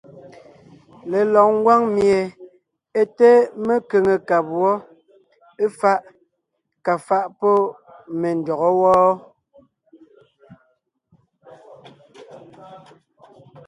Lelɔg ngwáŋ mie é té mekʉ̀ŋekab wɔ́, éfaʼ kà faʼ pɔ́ me ndÿɔgɔ́ wɔ́ɔ.